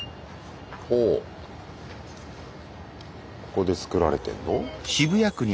ここで作られてんの？